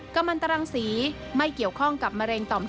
กรรมันตรังสีไม่เกี่ยวข้องกับมะเร็งต่อมไทรอย